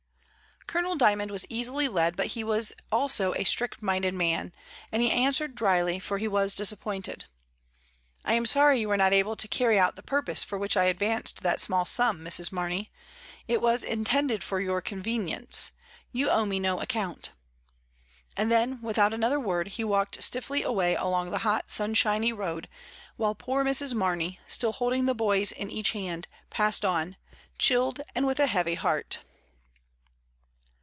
Colonel D3nnond was easily led, but he was also a strict minded man, and he answered dryly, for he was disappointed — "I am sorry you were not able to carry out the purpose for which I advanced that small sum, Mrs. Mamey; it was intended for your convenience. You . owe me no account;" and then, without another word, he walked stiffly away along the hot sunshiny road, while poor Mrs. Mamey, still holding the boys in each hand, passed on, chilled and with a heavy heart.